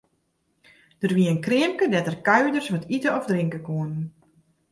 Der wie in kreamke dêr't de kuierders wat ite of drinke koene.